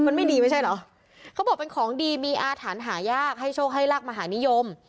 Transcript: มันไม่ดีไม่ใช่เหรอเขาบอกเป็นของดีมีอาถรรพ์หายากให้โชคให้ลาบมหานิยม